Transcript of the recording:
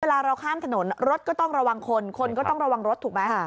เราข้ามถนนรถก็ต้องระวังคนคนก็ต้องระวังรถถูกไหม